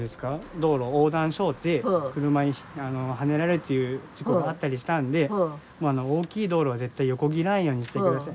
道路横断しょうて車にはねられるという事故があったりしたんで大きい道路は絶対横切らんようにしてください。